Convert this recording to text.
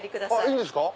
いいんですか？